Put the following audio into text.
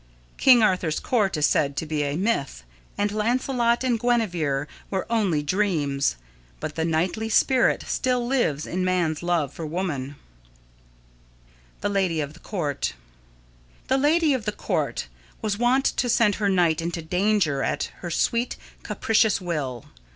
King Arthur's Court is said to be a myth, and Lancelot and Guenevere were only dreams, but the knightly spirit still lives in man's love for woman. [Sidenote: The Lady of the Court] The Lady of the Court was wont to send her knight into danger at her sweet, capricious will.